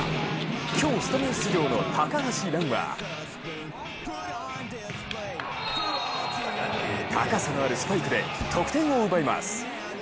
今日スタメン出場の高橋藍は高さのあるスパイクで得点を奪います。